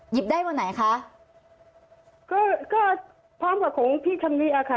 ได้วันไหนคะก็ก็พร้อมกับของพี่ชำเนียค่ะ